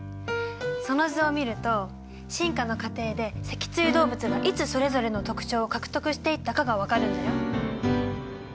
その図を見ると進化の過程で脊椎動物がいつそれぞれの特徴を獲得していったかが分かるんだよ。